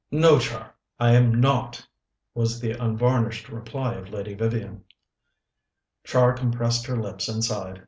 "No, Char, I am not," was the unvarnished reply of Lady Vivian. Char compressed her lips and sighed.